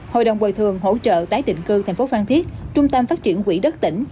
hội đồng bồi thường hỗ trợ tái định cư thành phố phan thiết trung tâm phát triển quỹ đất tỉnh